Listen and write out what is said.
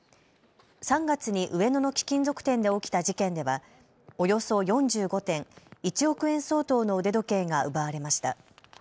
３月に上野の貴金属店で起きた事件では、およそ４５点、１億円相当の腕時計が奪われました。